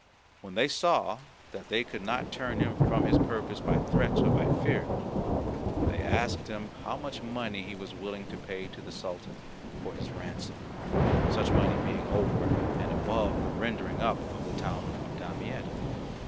When they saw that they could not turn him from his purpose by threats or by fear, they asked him how much money he was willing to pay to the Sultan for his ransom, such money being over and above the rendering up of the town of Damietta.